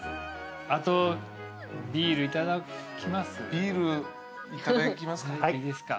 あとビールいただきます？